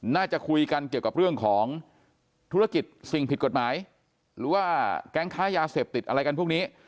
น่าจะคุยกันเกี่ยวกับเรื่องของธุรกิจสิ่งผิดกฎหมายหรือว่าแก๊งค้ายาเสพติดอะไรกันพวกนี้